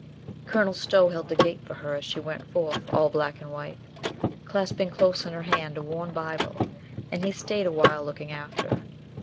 Colonel Stow held the gate for her as she went forth, all black and white, clasping close in her hand a worn Bible, and he stayed a while looking after.